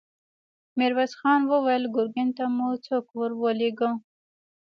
ميرويس خان وويل: ګرګين ته مو څوک ور ولېږه؟